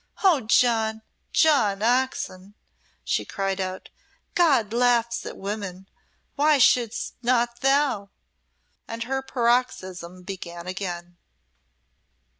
Oh, John! John Oxon!" she cried out, "God laughs at women why shouldst not thou?" and her paroxysm began again.